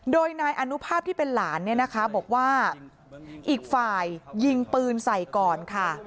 โดยนายอนุภาพที่เป็นหลานเนี่ยนะคะบอกว่าอีกฝ่ายยิงปืนใส่ก่อนค่ะ